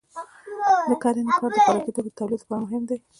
د کرنې کار د خوراکي توکو د تولید لپاره مهم دی.